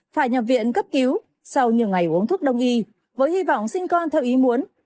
phải nhập viện cấp cứu sau nhiều ngày uống thuốc đông y với hy vọng sinh con theo ý muốn